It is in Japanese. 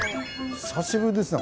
久しぶりですね